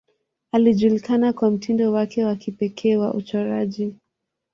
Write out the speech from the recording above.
Alijulikana kwa mtindo wake wa kipekee wa uchoraji.